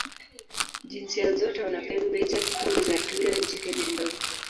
Jinsia zote wana pembe, japo pembe za twiga jike ni ndogo.